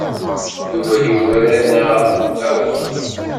Yuba yugar-aneɣ akk.